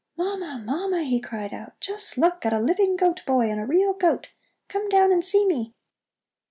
"Mama, Mama," he cried out, "just look at a living goat boy and a real goat! Come down and see me!"